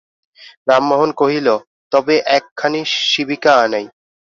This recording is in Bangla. রামমোহন কহিল, তবে একখানি শিবিকা আনাই।